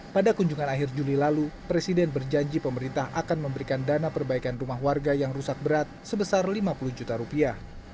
pada kunjungan akhir juli lalu presiden berjanji pemerintah akan memberikan dana perbaikan rumah warga yang rusak berat sebesar lima puluh juta rupiah